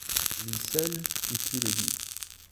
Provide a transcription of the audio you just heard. Lui seul eût pu le dire.